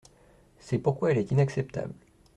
C’est pourquoi elle est inacceptable.